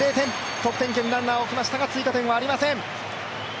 得点圏にランナーを置きましたが、追加点はありません。